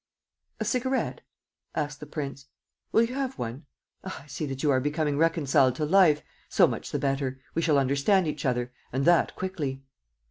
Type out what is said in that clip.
..." "A cigarette?" asked the prince. "Will you have one? Ah, I see that you are becoming reconciled to life! So much the better: we shall understand each other; and that quickly."